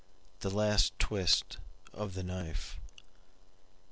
The last twist of the knife.